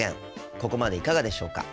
ここまでいかがでしょうか？